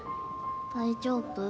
大丈夫？